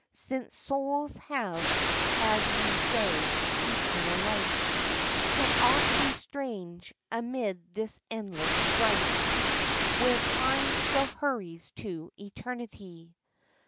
Since souls have (as ye say) eternal life Can aught be strange amid this endless strife Where Time still hurries to Eternity?